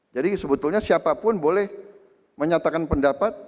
jadi sebetulnya siapa pun boleh menyatakan pendapat